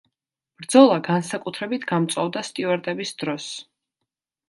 ბრძოლა განსაკუთრებით გამწვავდა სტიუარტების დროს.